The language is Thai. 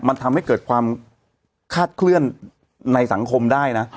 มันทำให้เกิดความคาดเคลื่อนในสังคมได้นะ